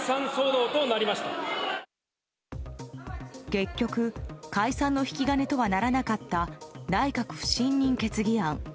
結局解散の引き金とはならなかった内閣不信任決議案。